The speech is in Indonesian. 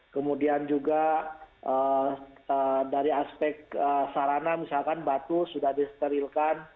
kemudian juga dari aspek sarana misalkan batu sudah disterilkan